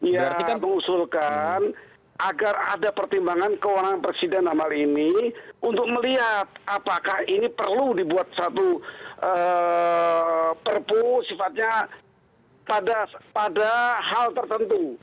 ya mengusulkan agar ada pertimbangan kewenangan presiden dalam hal ini untuk melihat apakah ini perlu dibuat satu perpu sifatnya pada hal tertentu